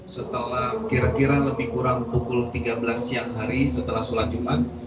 setelah kira kira lebih kurang pukul tiga belas siang hari setelah sholat jumat